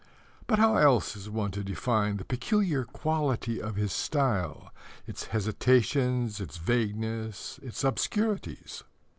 But how else is one to define the peculiar quality of his style its hesitations, its vaguenesses, its obscurities?